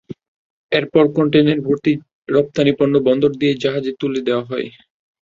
এরপর কনটেইনার ভর্তি রপ্তানি পণ্য বন্দর দিয়ে জাহাজে তুলে দেওয়া হয়।